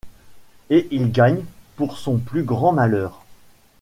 Et il gagne, pour son plus grand malheur.